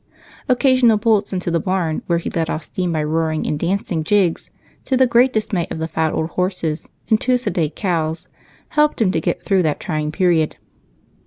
Occasional bolts into the barn, where he let off steam by roaring and dancing jigs, to the great dismay of the fat old horses and two sedate cows, helped him to get through that trying period.